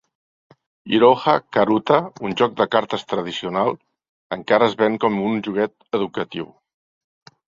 "Iroha karuta", un joc de cartes tradicional, encara es ven com un joguet educatiu.